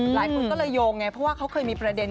หลายคนก็เลยโยงไงเพราะว่าเขาเคยมีประเด็น